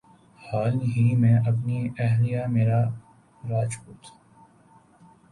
حال ہی میں اپنی اہلیہ میرا راجپوت